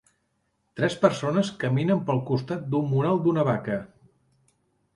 Tres persones caminen pel costat d'un mural d'una vaca.